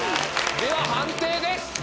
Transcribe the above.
では判定です。